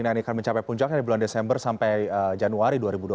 yang akan mencapai puncaknya di bulan desember sampai januari dua ribu dua puluh